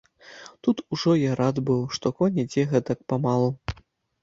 Тут ужо я рад быў, што конь ідзе гэтак памалу.